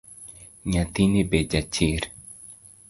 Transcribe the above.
Nyathini be ja chir